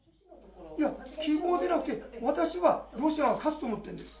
いや、希望ではなくて、私はロシアが勝つと思ってるんです。